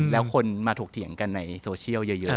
แล้วคนมาถกเถียงกันในโซเชียลเยอะ